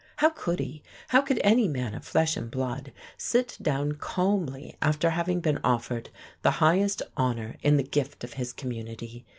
How could he how could any man of flesh and blood sit down calmly after having been offered the highest honour in the gift of his community!